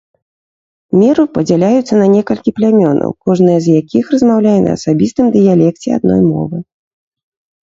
Меру падзяляюцца на некалькі плямёнаў, кожнае з якіх размаўляе на асабістым дыялекце адной мовы.